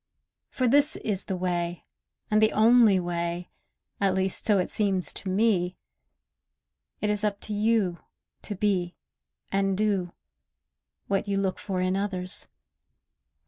For this is the way, and the only way— At least so it seems to me. It is up to you, to be, and do, What you look for in others.